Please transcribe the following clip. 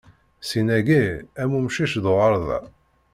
Sin-agi, am umcic d uɣerda.